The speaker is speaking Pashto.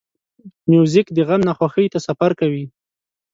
موزیک د غم نه خوښۍ ته سفر کوي.